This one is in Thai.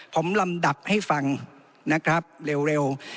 ผมลำดับให้ฟังนะครับเร็ว